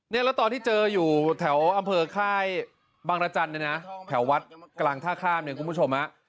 แล้วตอนที่เจออยู่แถวอำเภอค่ายบางรจันทร์เนี่ยนะแถววัดกลางท่าข้ามเนี่ยคุณผู้ชมฮะ